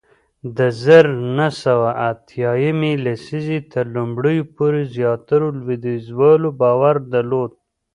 د زر نه سوه اتیا یمې لسیزې تر لومړیو پورې زیاترو لوېدیځوالو باور درلود